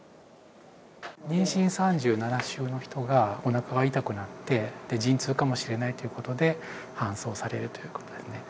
妊娠３７週の人が、おなかが痛くなって、陣痛かもしれないということで、搬送されるということですね。